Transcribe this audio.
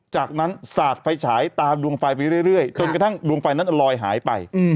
จากนั้นสาดไฟฉายตามดวงไฟไปเรื่อยจนกระทั่งดวงไฟนั้นลอยหายไป